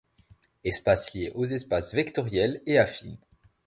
Espaces liés aux espaces vectoriels et affines.